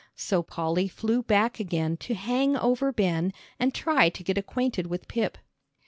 So Polly flew back again to hang over Ben and try to get acquainted with Pip.